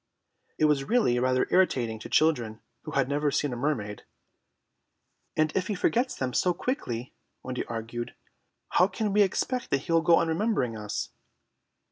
It was really rather irritating to children who had never seen a mermaid. "And if he forgets them so quickly," Wendy argued, "how can we expect that he will go on remembering us?"